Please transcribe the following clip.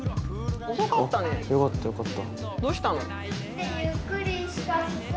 どうしたの？